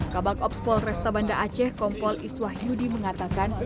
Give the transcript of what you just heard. kabak opspol resta banda aceh kompol iswah yudi mengatakan